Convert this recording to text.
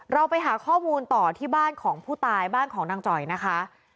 เราไปหาข้อมูลต่อที่บ้านของผู้ตายบ้านของนางจ่อยนะคะ